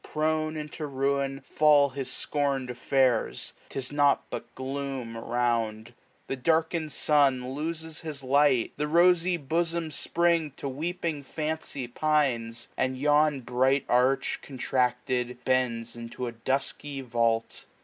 Prone into niin, fall his scorn'd affairs. 1005 'Tis nought but gloom around : The darkened sun Loses his light : The rosy bosom'd Spring To weeping fancy pines ; and yon bright arch. Contracted, bends into a dusky vault.